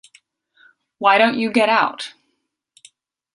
Why don't you get out?